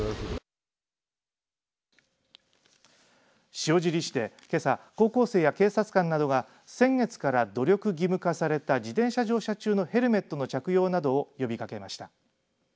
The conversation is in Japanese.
塩尻市で、けさ高校生や警察官などが先月から努力義務化された自転車乗車中のヘルメットの着用などを呼びかけました。